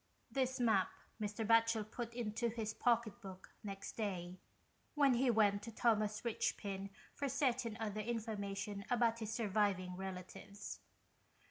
This map Mr. Batchel put into his pocket book next day when he went to Thomas Richpin for certain other information about his surviving relatives.